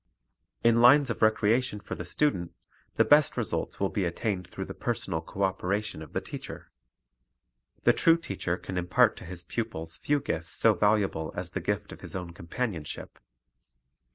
In lines of recreation for the student, the best results will be attained through the personal co operation of the teacher. The true teacher can impart to his pupils few gifts so valuable as the gift of his own companionship.